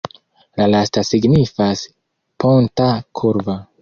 La lasta signifas ponta-korva.